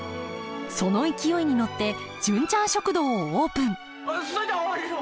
その勢いに乗って「純ちゃん食堂」をオープンそいじゃわしも！